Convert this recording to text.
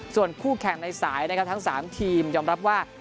ส่วนคู่แข่งในสายนะครับทั้ง๓ทีมยอมรับว่า